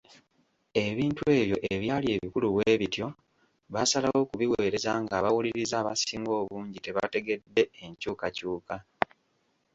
Ebintu ebyo ebyali ebikulu bw’ebityo baasalawo kubiweereza ng’abawuliriza abasinga obungi tebategedde enkyukakyuka.